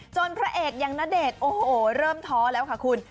พระเอกอย่างณเดชน์โอ้โหเริ่มท้อแล้วค่ะคุณ